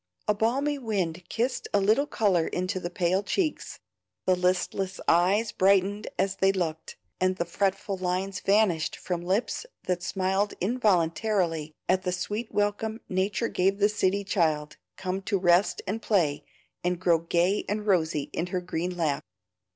A balmy wind kissed a little color into the pale cheeks, the listless eyes brightened as they looked, and the fretful lines vanished from lips that smiled involuntarily at the sweet welcome Nature gave the city child come to rest and play and grow gay and rosy in her green lap.